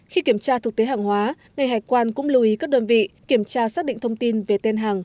khi kiểm tra thực tế hàng hóa ngày hải quan cũng lưu ý các đơn vị kiểm tra xác định thông tin về tên hàng